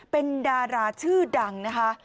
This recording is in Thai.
เป็นดาราชื่อดังนะคะ